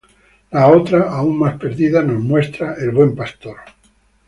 La otra, aún más perdida, nos muestra "El Buen Pastor".